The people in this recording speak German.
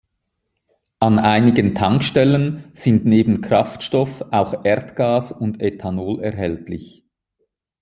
An einigen Tankstellen sind neben Kraftstoff auch Erdgas und Ethanol erhältlich.